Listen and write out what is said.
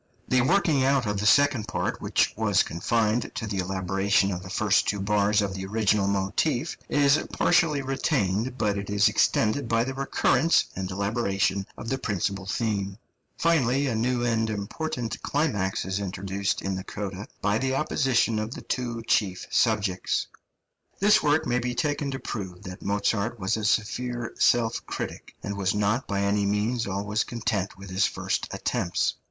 The working out of the second part, which was confined to the elaboration of the two first bars of the original motif, is partially retained; but it is extended by the recurrence and elaboration of the {MOZART'S STUDIES.} (315) principal theme. Finally, a new and important climax is introduced in the coda by the opposition of the two chief subjects. This work may be taken to prove that Mozart was a severe self critic, and was not by any means always content with his first attempts.